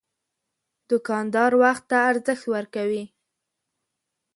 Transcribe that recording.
دوکاندار وخت ته ارزښت ورکوي.